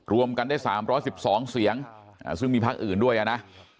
รวมกันได้๓๑๒เสียงซึ่งมีพักอื่นด้วยนะ